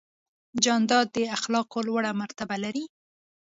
جانداد د اخلاقو لوړه مرتبه لري.